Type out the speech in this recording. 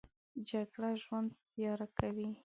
جګړه ژوند تیاره کوي